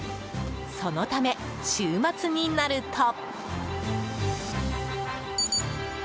そのため週末になると。